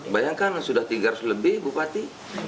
bayangkan sudah tiga ratus lebih bupati